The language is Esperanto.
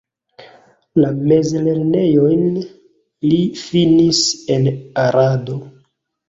La mezlernejon li finis en Arado.